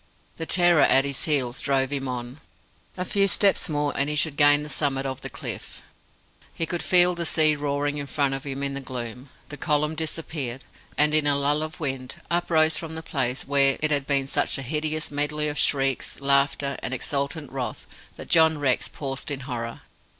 The terror at his heels drove him on. A few steps more, and he should gain the summit of the cliff. He could feel the sea roaring in front of him in the gloom. The column disappeared; and in a lull of wind, uprose from the place where it had been such a hideous medley of shrieks, laughter, and exultant wrath, that John Rex paused in horror.